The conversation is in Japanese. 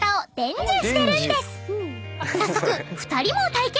［早速２人も体験］